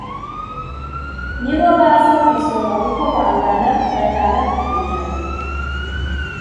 nibo baza ku isonga kuko bangana gatandatu kwijana